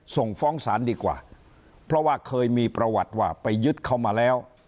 ส่งฟ้องศาลดีกว่าเพราะว่าเคยมีประวัติว่าไปยึดเขามาแล้ว